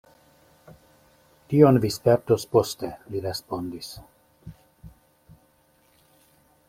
Tion vi spertos poste, li respondis.